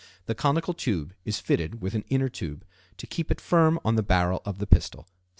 The conical tube is fitted with an inner tube to keep it firm on the barrel of the pistol.